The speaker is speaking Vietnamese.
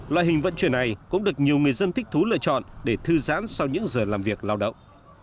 loại hình vận chuyển này cũng được nhiều người dân thích thú lựa chọn để thư giãn sau những giờ làm việc lao động